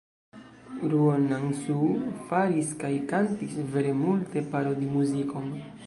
Ruonansuu faris kaj kantis vere multe parodimuzikon.